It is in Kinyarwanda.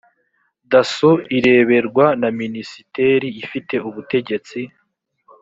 dasso irebererwa na minisiteri ifite ubutegetsi